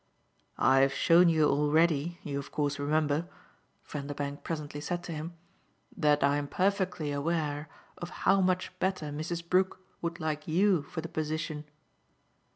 "I've shown you already, you of course remember," Vanderbank presently said to him, "that I'm perfectly aware of how much better Mrs. Brook would like YOU for the position."